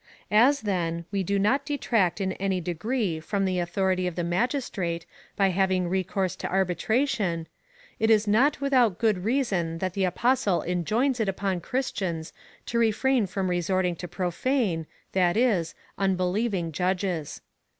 As, then, we do not detract in any degree from the authority of the magistrate by having recourse to arbitration, it is not without good reason that the Apostle enjoins it upon Christians to refrain from resorting to pro fane, that is, unbelieving judges.